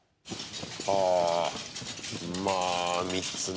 はあ、まあ、３つね。